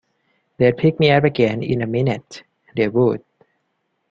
They’d pick me up again in a minute, they would!